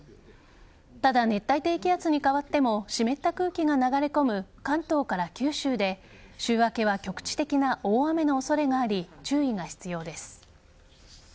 ただ、熱帯低気圧に変わっても湿った空気が流れ込む関東から九州で週明けは局地的な大雨の恐れがあり注意が必要です。